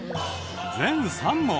全３問。